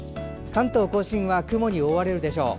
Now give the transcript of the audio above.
関東・甲信は雲に覆われるでしょう。